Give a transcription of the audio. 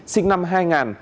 sinh năm hai nghìn